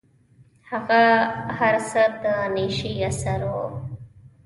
هغه هر څه د نيشې اثر و.